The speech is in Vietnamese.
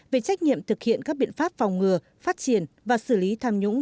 về trách nhiệm thực hiện các biện pháp phòng ngừa phát triển và xử lý tham nhũng